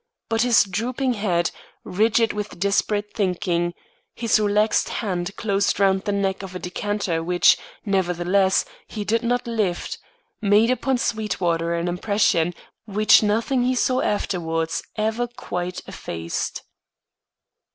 But his drooping head, rigid with desperate thinking; his relaxed hand closed around the neck of a decanter which, nevertheless, he did not lift, made upon Sweetwater an impression which nothing he saw afterwards ever quite effaced.